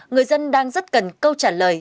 người dân đang rất cần câu trả lời